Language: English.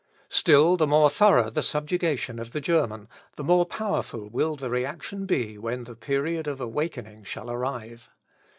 Still the more thorough the subjugation of the German, the more powerful will the reaction be when the period of awakening shall arrive.